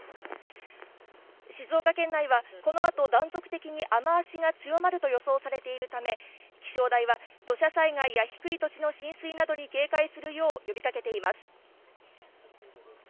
静岡県内は、このあと断続的に雨足が強まると予想されているため、気象台は、土砂災害や低い土地の浸水などに警戒するよう呼びかけています。